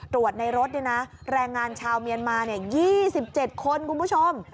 ตรวจในรถแรงงานชาวเมียนมา๒๗คนคุณผู้ชม